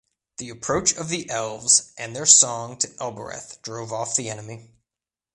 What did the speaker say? The approach of the elves and their song to Elbereth drove off the enemy.